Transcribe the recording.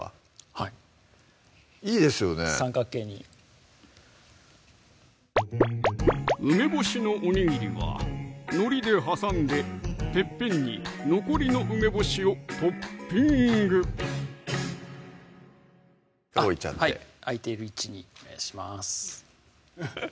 はいいいですよね三角形に梅干しのおにぎりはのりで挟んでてっぺんに残りの梅干しをトッピング置いちゃって空いている位置にお願いします